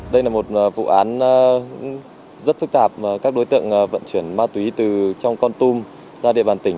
đây là một vụ án rất phức tạp các đối tượng vận chuyển ma túy từ trong con tum ra địa bàn tỉnh